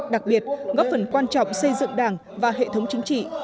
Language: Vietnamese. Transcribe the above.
đặc biệt góp phần quan trọng xây dựng đảng và hệ thống chính trị